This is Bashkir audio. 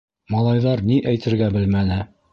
Малайҙар ни әйтергә белмәне.